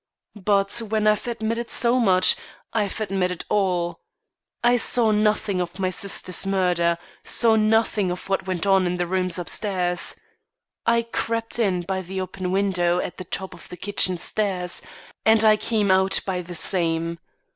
But, when I've admitted so much, I've admitted all. I saw nothing of my sister's murder; saw nothing of what went on in the rooms upstairs. I crept in by the open window at the top of the kitchen stairs, and I came out by the same.